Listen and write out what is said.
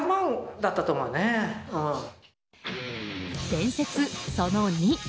伝説その２。